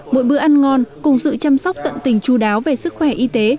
mỗi bữa ăn ngon cùng sự chăm sóc tận tình chú đáo về sức khỏe y tế